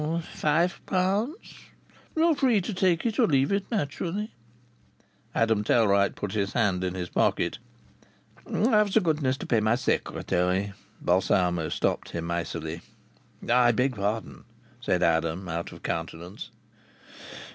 "Five pounds. You are free to take it or leave it, naturally." Adam Tellwright put his hand in his pocket. "Have the goodness to pay my secretary," Balsamo stopped him icily. "I beg pardon," said Adam, out of countenance.